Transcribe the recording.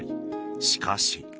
しかし。